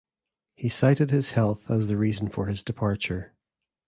He cited his health as the reason for his departure.